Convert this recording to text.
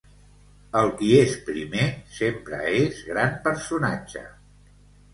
El qui és primer sempre és gran personatge.